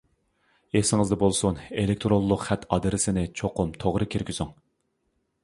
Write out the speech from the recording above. ئېسىڭىزدە بولسۇن ئېلېكتىرونلۇق خەت ئادرېسىنى چوقۇم توغرا كىرگۈزۈڭ.